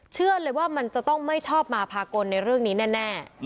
เชื่อเลยว่ามันจะต้องไม่ชอบมาพากลในเรื่องนี้แน่